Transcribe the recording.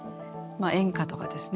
演歌とかですね。